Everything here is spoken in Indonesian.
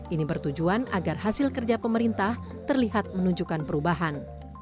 ini bertujuan agar hasil kerja pemerintah terlihat menunjukkan perubahan